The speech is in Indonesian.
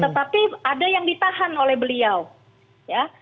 tetapi ada yang ditahan oleh beliau ya